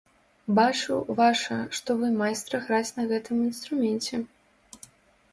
Бачу, ваша, што вы майстра граць на гэтым інструменце.